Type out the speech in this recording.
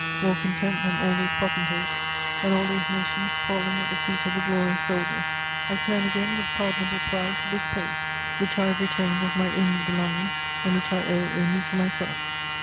More content than all those potentates, than all those nations fallen at the feet of the glorious soldier, I turn again with pardonable pride to this page, which I have retained as my only belonging and which I owe only to myself.